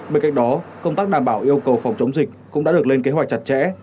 bên cạnh đó công tác đảm bảo yêu cầu phòng chống dịch cũng đã được lên kế hoạch chặt chẽ